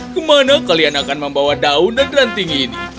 kemana kalian akan membawa daun dan ranting ini